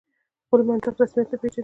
بل منطق رسمیت نه پېژني.